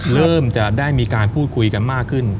เริ่มจะได้มีการพูดคุยกันมากขึ้น